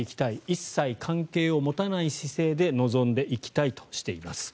一切関係を持たない姿勢で臨んでいきたいとしています。